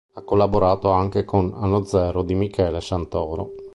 Ha collaborato anche con "AnnoZero" di Michele Santoro.